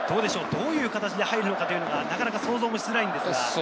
どういう形で入るのかというのは想像しづらいんですが。